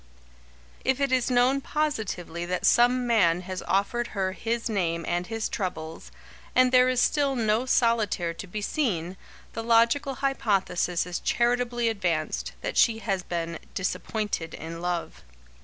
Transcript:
If it is known positively that some man has offered her his name and his troubles, and there is still no solitaire to be seen, the logical hypothesis is charitably advanced, that she has been "disappointed in love."